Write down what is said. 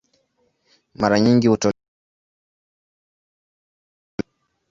Mara nyingi hutolewa pia kwa sababu za kisiasa.